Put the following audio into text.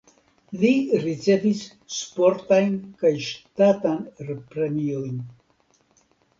Li ricevis sportajn kaj ŝtatan premiojn.